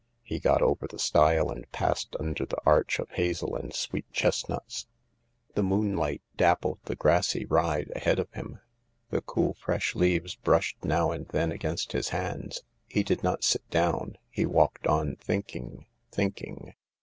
He got over the stile and passed under the arch of hazel and sweet chestnuts. The moonlight dappled the grassy ride ahead of him. The cool, fresh leaves brushed now and then against his hands. He did not sit down ; he walked on thinking, thinking.